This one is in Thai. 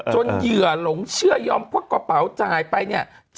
เหยื่อหลงเชื่อยอมพกกระเป๋าจ่ายไปเนี่ย